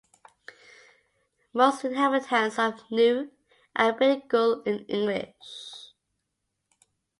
Most inhabitants of Niue are bilingual in English.